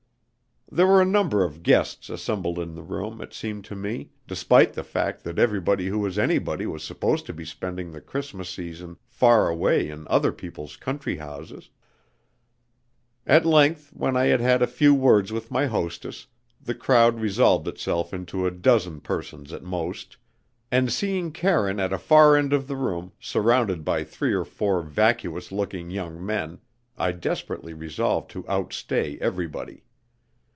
There were a number of guests assembled in the room, it seemed to me, despite the fact that everybody who was anybody was supposed to be spending the Christmas season far away in other people's country houses. At length, when I had had a few words with my hostess, the crowd resolved itself into a dozen persons at most, and seeing Karine at a far end of the room surrounded by three or four vacuous looking young men, I desperately resolved to outstay everybody.